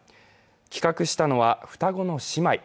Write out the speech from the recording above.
企画したのは、双子の姉妹。